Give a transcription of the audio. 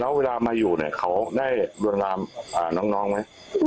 แล้วเวลามาอยู่เนี่ยเขาได้รวนรามน้องไหม